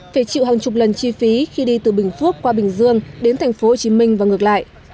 phải chịu hàng chục lần chi phí khi đi từ bình phước qua bình dương đến tp hcm và ngược lại